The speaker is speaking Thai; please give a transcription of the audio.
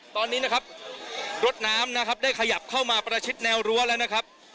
ตอนนี้นะครับรถน้ำนะครับได้ขยับเข้ามาประชิดแนวรั้วแล้วนะครับ